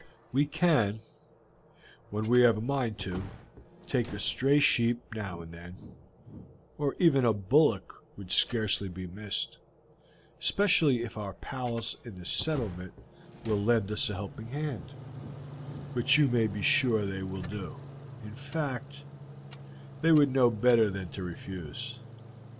"We can, when we have a mind to, take a stray sheep now and then, or even a bullock would scarcely be missed, especially if our pals in the settlement will lend us a helping hand, which you may be sure they will do; in fact, they would know better than to refuse.